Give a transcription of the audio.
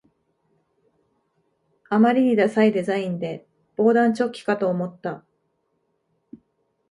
あまりにダサいデザインで防弾チョッキかと思った